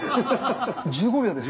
１５秒です。